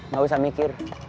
gak usah mikir